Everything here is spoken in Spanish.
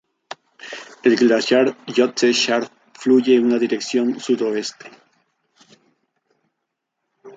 El Glaciar Lhotse Shar fluye en una dirección sudoeste.